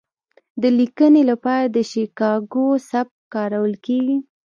د لیکنې لپاره د شیکاګو سبک کارول کیږي.